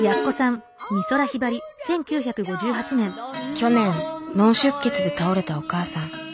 去年脳出血で倒れたお母さん。